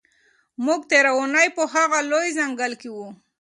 موږ تېره اونۍ په هغه لوی ځنګل کې وو.